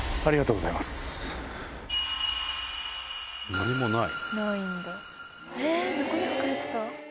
何もない。